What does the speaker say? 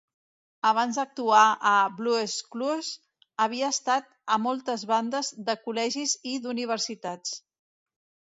Abans d"actuar a "Blue's Clues", havia estat a moltes bandes de col·legis i d"universitats.